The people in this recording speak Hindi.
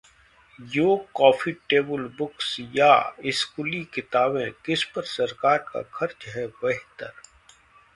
योग कॉफी-टेबल बुक्स या स्कूली किताबें! किस पर सरकार का खर्च है बेहतर?